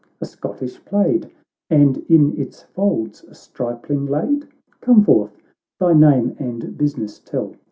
— a Scottish plaid, And in its folds a stripling laid ?— Come forth ! thy name and business tell